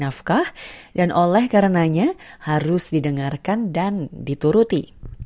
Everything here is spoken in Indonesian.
nafkah dan oleh karenanya harus didengarkan dan dituruti